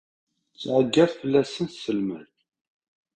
Tεeyyeḍ fell-asen tselmadt.